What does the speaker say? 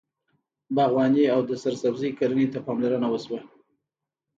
باغواني او د سبزۍ کرنې ته پاملرنه وشوه.